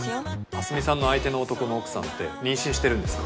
明日美さんの相手の男の奥さんって妊娠してるんですか？